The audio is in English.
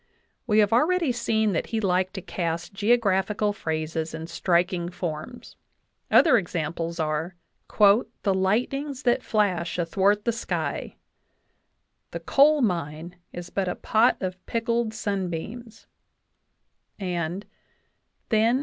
We have already seen that he liked to cast geographical phrases in striking forms ; other examples are : "The lightnings that flash athwart the sky," "the coal mine is but a pot of pickled sunbeams," and "then